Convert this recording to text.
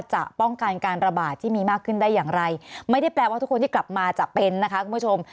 จะป้องกันการระบาดที่มีมากขึ้นได้อย่างไรไม่ได้แปลว่าทุกคนที่กลับมาจะเป็นนะคะคุณผู้ชม